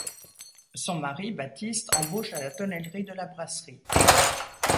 Son mari, Baptiste, embauche à la tonnellerie de la brasserie.